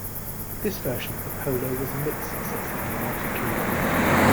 This version of the Polo was a mixed success in the United Kingdom.